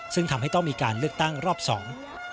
ซึ่งทำให้ต้องมีการเลือกตั้งรอบสอง